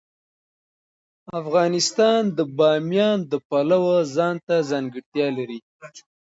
افغانستان د بامیان د پلوه ځانته ځانګړتیا لري.